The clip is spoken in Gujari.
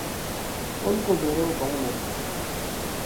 اُنھ کو ڈیرو بن ما تھو